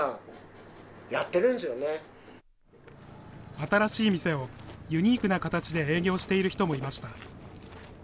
新しい店をユニークな形で営業している人もいました。